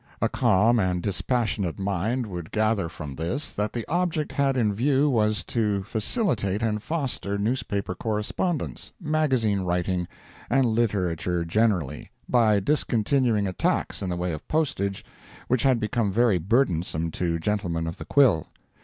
A calm and dispassionate mind would gather from this, that the object had in view was to facilitate and foster newspaper correspondence, magazine writing, and literature generally, by discontinuing a tax in the way of postage which had become very burdensome to gentlemen of the quill.